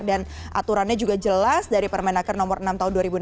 dan aturannya juga jelas dari permenaker nomor enam tahun dua ribu enam belas